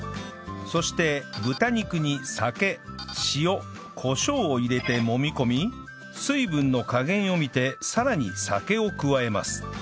そして豚肉に酒塩コショウを入れてもみ込み水分の加減を見てさらに酒を加えます